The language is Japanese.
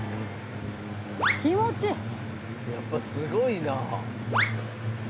「やっぱすごいな」